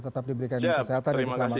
tetap diberikan kesehatan dan keselamatan